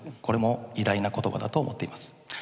これも偉大な言葉だと思っています。